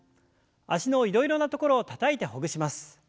脚のいろいろなところをたたいてほぐします。